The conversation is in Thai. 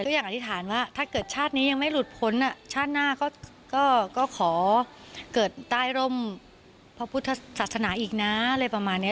ยังอธิษฐานว่าถ้าเกิดชาตินี้ยังไม่หลุดพ้นชาติหน้าก็ขอเกิดใต้ร่มพระพุทธศาสนาอีกนะอะไรประมาณนี้